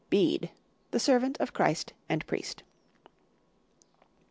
(6) Bede, the servant of Christ and Priest.